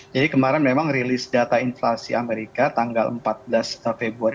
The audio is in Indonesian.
jadi kemarin memang rilis data inflasi amerika tanggal empat belas februari